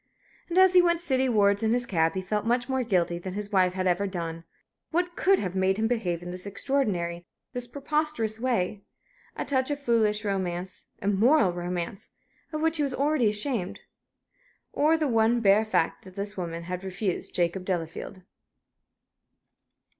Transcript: And as he went citywards in his cab, he felt much more guilty than his wife had ever done. What could have made him behave in this extraordinary, this preposterous way? A touch of foolish romance immoral romance of which he was already ashamed? Or the one bare fact that this woman had refused Jacob Delafield?